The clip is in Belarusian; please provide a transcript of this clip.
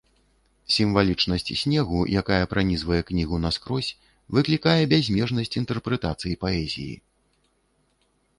Сімвалічнасць снегу, якая пранізвае кнігу наскрозь, выклікае бязмежнасць інтэрпрэтацый паэзіі.